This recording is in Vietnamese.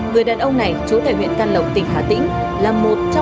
người đàn ông này chú thầy nguyễn căn lộc tỉnh hà tĩnh